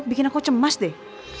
bikin aku cemas deh